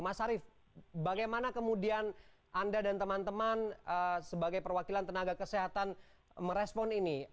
mas arief bagaimana kemudian anda dan teman teman sebagai perwakilan tenaga kesehatan merespon ini